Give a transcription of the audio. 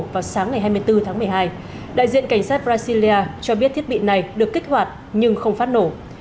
vào sáng ngày hai mươi bốn tháng một mươi hai đại diện cảnh sát brasilia cho biết thiết bị này được kích hoạt nhưng không phát nổ